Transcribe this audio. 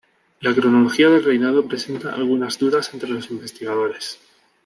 La cronología del reinado presenta algunas dudas entre los investigadores.